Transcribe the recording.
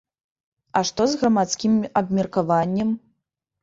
А што з грамадскім абмеркаваннем?